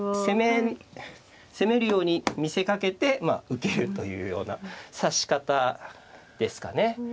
攻め攻めるように見せかけて受けるというような指し方ですかね。